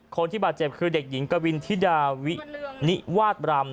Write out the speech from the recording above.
คนที่บาดเจ็บคือเด็กหญิงกวินธิดาวินิวาสบรำ